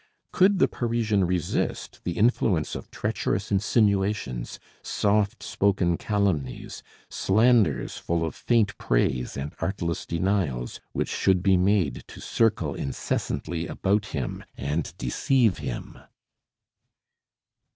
Could the Parisian resist the influence of treacherous insinuations, soft spoken calumnies, slanders full of faint praise and artless denials, which should be made to circle incessantly about him and deceive him?